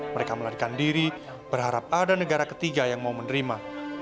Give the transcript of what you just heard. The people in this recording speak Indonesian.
mereka melarikan diri berharap ada negara ketiga yang mau menerima